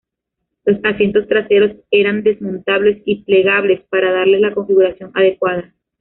Los asientos traseros eran desmontables y plegables para darles la configuración adecuada.